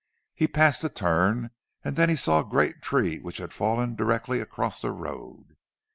He passed a turn, and then he saw a great tree which had fallen directly across the road.